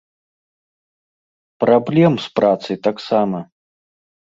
Праблем з працай таксама.